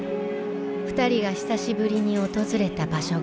２人が久しぶりに訪れた場所があります。